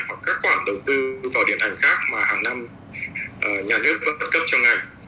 hoặc các khoản đầu tư vào điện ảnh khác mà hàng năm nhà nước bắt cấp cho ngành